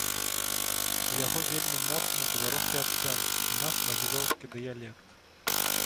У яго вельмі моцны беларускі акцэнт і наш, магілёўскі, дыялект.